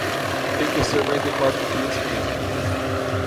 Tem que ser mais de quatro quilos e meio.